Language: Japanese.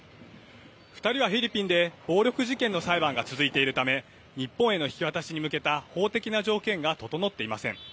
２人はフィリピンで暴力事件の裁判が続いているため日本への引き渡しに向けた法的な条件が整っていません。